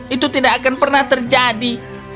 itu tidak akan pernah terjadi